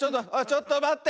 ちょっとまって。